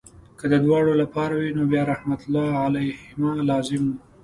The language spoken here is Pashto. که د دواړو لپاره وي نو بیا رحمت الله علیهما لازم وو.